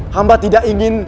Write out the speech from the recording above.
hamba tidak ingin